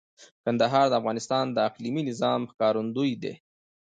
کندهار د افغانستان د اقلیمي نظام ښکارندوی دی.